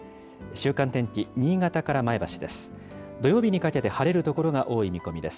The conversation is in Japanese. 週間天気、新潟から前橋です。